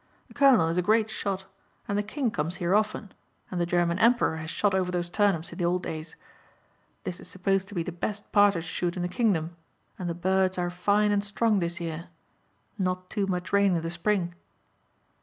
The colonel is a great shot and the King comes here often and the German Emperor has shot over those turnips in the old days. This is supposed to be the best partridge shoot in the kingdom and the birds are fine and strong this year not too much rain in the Spring."